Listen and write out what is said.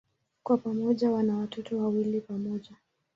Kwa pamoja wana watoto wawili pamoja.